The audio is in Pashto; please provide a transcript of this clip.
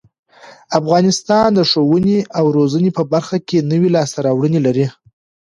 افغانستان د ښوونې او روزنې په برخه کې نوې لاسته راوړنې لري.